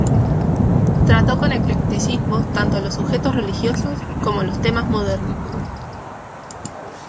Trató con eclecticismo tanto los sujetos religiosos como los temas modernos.